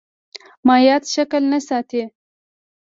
مایعات شکل نه ساتي.